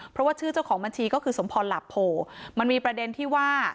เพราะว่าชื่อเจ้าของบัญชีก็คือสมพรหลับโพมันมีประเด็นที่ว่า